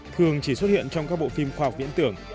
thường chỉ xuất hiện trong các bộ phim khoa học viễn tưởng